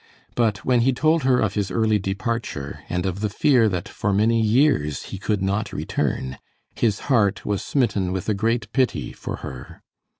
But when he told her of his early departure, and of the fear that for many years he could not return, his heart was smitten with a great pity for her.